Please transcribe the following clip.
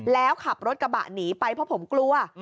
แล้วขับรถกระบะหนีไปเพราะผมกลัว